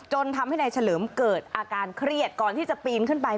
ทำให้นายเฉลิมเกิดอาการเครียดก่อนที่จะปีนขึ้นไป